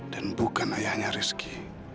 dan bukan ayahnya rizky